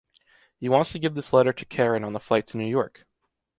He wants to give this letter to Karen on the flight to New York.